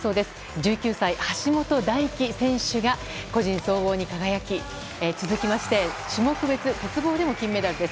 １９歳、橋本大輝選手が個人総合に輝き続きまして種目別鉄棒でも金メダルです。